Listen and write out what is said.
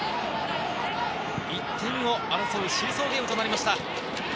１点を争うシーソーゲームとなりました。